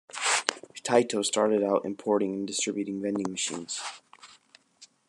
Taito started out importing and distributing vending machines.